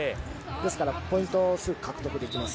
ですからポイントをすぐ獲得できます。